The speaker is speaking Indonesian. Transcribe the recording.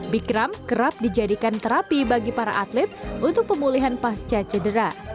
bikram kerap dijadikan terapi bagi para atlet untuk pemulihan pasca cedera